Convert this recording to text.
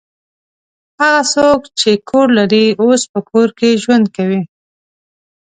هغه څوک چې کور لري اوس په کور کې ژوند کوي.